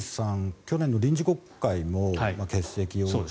去年の臨時国会を欠席をして。